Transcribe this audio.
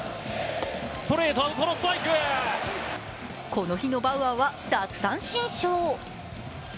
この日のバウアーは奪三振ショー。